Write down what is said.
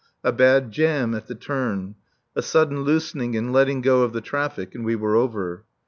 A bad jam at the turn. A sudden loosening and letting go of the traffic, and we were over.